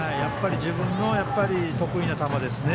自分の得意な球ですね。